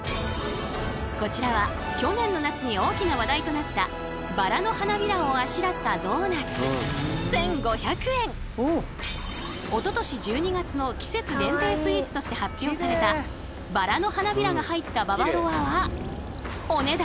こちらは去年の夏に大きな話題となったバラの花びらをあしらったおととし１２月の季節限定スイーツとして発表されたバラの花びらが入ったババロアはお値段